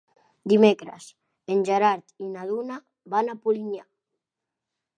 Dimecres en Gerard i na Duna van a Polinyà.